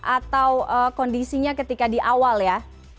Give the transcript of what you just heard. atau kondisinya ketika di awal ya